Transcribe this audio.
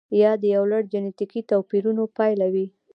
یا د یو لړ جنتیکي توپیرونو پایله وي.